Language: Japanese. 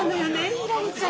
ひらりちゃん。